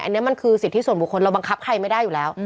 อันนี้มันคือสิทธิส่วนบุคคลเราบังคับใครไม่ได้อยู่แล้ว